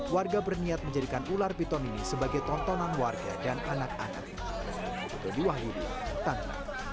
warga berniat menjadikan ular piton ini sebagai tontonan warga dan anak anak